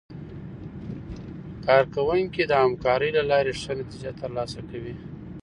کارکوونکي د همکارۍ له لارې ښه نتیجه ترلاسه کوي